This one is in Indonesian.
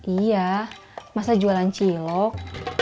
iya masa jualan cilok